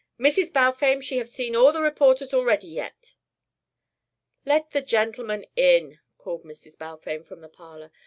"Mrs. Balfame she have seen all the reporters already yet." "Let the gentleman in," called Mrs. Balfame from the parlour.